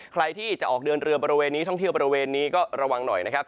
ใครที่จะออกเดินเรือบริเวณนี้ท่องเที่ยวบริเวณนี้ก็ระวังหน่อยนะครับ